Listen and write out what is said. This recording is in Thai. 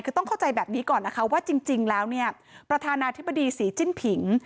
คือต้องเข้าใจแบบนี้ก่อนนะคะว่าจริงแล้วเนี่ยประธานาธิบดีศรีจิ้นผิง